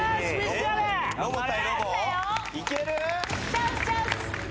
チャンスチャンス。